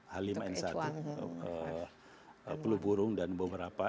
h lima n satu pelu burung dan beberapa